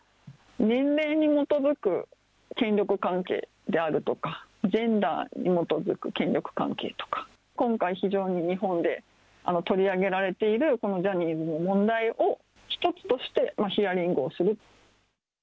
年齢に基づく権力関係であるとか、ジェンダーに基づく権力関係とか、今回、非常に日本で取り上げられている、このジャニーズの問題を一つとして、ヒアリングをする。